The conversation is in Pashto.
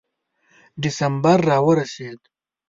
ډسمبر را ورسېد.